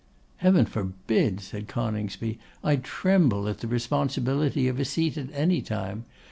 'Heaven forbid!' said Coningsby. 'I tremble at the responsibility of a seat at any time.